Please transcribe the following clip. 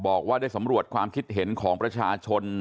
บอกว่าได้สำรวจความคิดเห็นของประชาชน